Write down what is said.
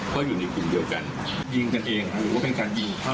เพราะอยู่ในกลุ่มเดียวกันยิงกันเองหรือว่าเป็นการยิงเขา